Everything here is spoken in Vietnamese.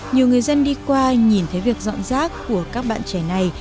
nhiều người dân đi qua nhìn thấy việc dọn rác của các bạn trẻ này